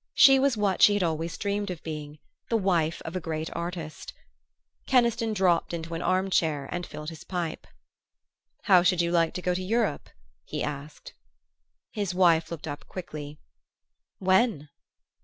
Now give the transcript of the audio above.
She was what she had always dreamed of being the wife of a great artist. Keniston dropped into an armchair and filled his pipe. "How should you like to go to Europe?" he asked. His wife looked up quickly. "When?"